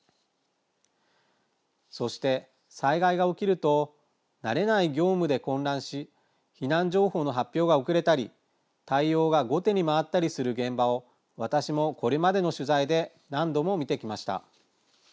そして、災害が起きると慣れない業務で混乱し避難情報の発表が遅れたり対応が後手に回ったりする現場を私もこれまでの取材で何度も見てきました。